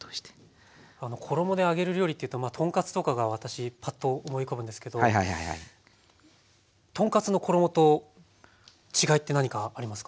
衣で揚げる料理っていうとまあ豚カツとかが私パッと思い浮かぶんですけど豚カツの衣と違いって何かありますか？